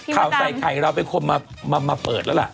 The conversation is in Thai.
ข่าวใส่ไข่เราเป็นคนมาเปิดแล้วล่ะ